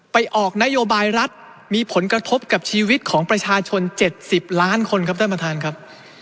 ออกนโยบายรัฐมีผลกระทบกับชีวิตของประชาชน๗๐ล้านคนครับท่านประธานครับ